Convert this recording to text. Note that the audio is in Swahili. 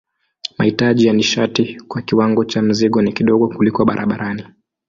Mahitaji ya nishati kwa kiwango cha mzigo ni kidogo kuliko barabarani.